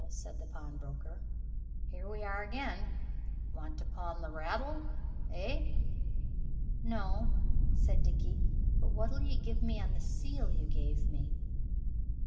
said the pawnbroker, "here we are again. Want to pawn the rattle, eh?" "No," said Dickie, "but what'll you give me on the seal you gave me?"